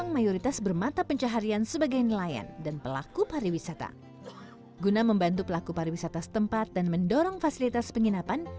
guna membantu pelaku pariwisata setempat dan mendorong fasilitas penginapan